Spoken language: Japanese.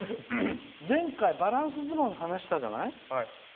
前回、バランス相撲の話をしたじゃない。